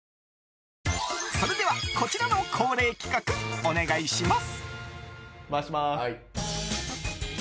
それでは、こちらの恒例企画お願いします。